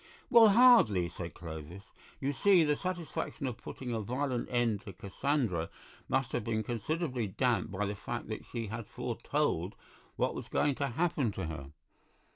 "Well, hardly," said Clovis; "you see, the satisfaction of putting a violent end to Cassandra must have been considerably damped by the fact that she had foretold what was going to happen to her.